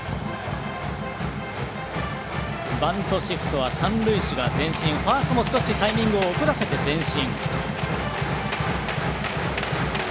バントシフトは三塁手が前進ファーストも少しタイミングを遅らせて前進。